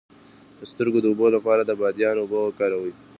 د سترګو د اوبو لپاره د بادیان اوبه وکاروئ